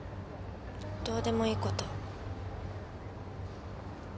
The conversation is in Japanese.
どうでもいいこと。